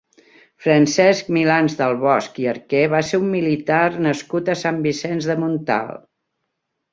Francesc Milans del Bosch i Arquer va ser un militar nascut a Sant Vicenç de Montalt.